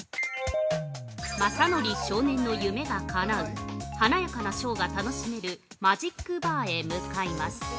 ◆まさのり少年の夢がかなう華やかなショーが楽しめるマジックバーへ向かいます。